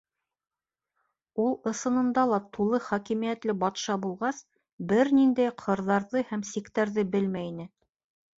Ул ысынында ла тулы хакимиәтле батша булғас, бер ниндәй ҡырҙарҙы һәм сиктәрҙе белмәй ине.